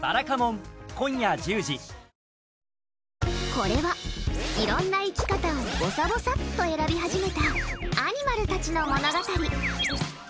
これは、いろんな生き方をぼさぼさっと選び始めたアニマルたちの物語。